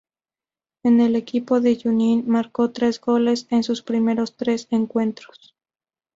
En el equipo de Junín marcó tres goles en sus primeros tres encuentros.